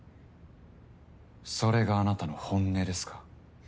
それがあなたの本音ですか？